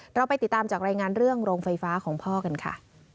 เราไปติดตามจากรายงานเรื่องโรงไฟฟ้าของพ่อกันค่ะ